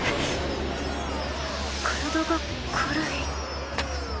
体が軽い！